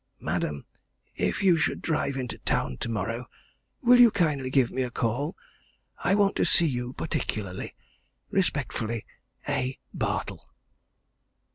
"Madam, If you should drive into town tomorrow, will you kindly give me a call? I want to see you particularly. "Respectfully, A. BARTLE."